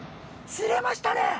釣れましたね！